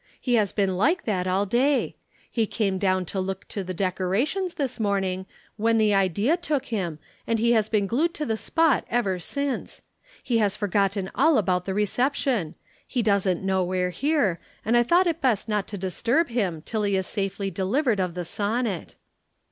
He has been like that all day. He came down to look to the decorations this morning, when the idea took him and he has been glued to the spot ever since. He has forgotten all about the reception he doesn't know we're here and I thought it best not to disturb him till he is safely delivered of the sonnet.'